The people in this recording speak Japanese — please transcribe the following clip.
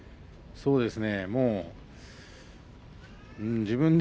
そうですか。